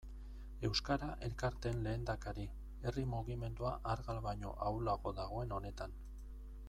Euskara elkarteen lehendakari, herri mugimendua argal baino ahulago dagoen honetan.